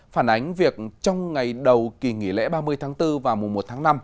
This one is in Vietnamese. phản ánh việc trong ngày đầu kỳ nghỉ lễ ba mươi tháng bốn và mùa một tháng năm